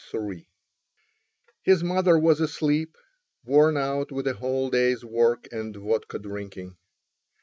—TV.] III His mother was asleep worn out with a whole day's work and vodka drinking.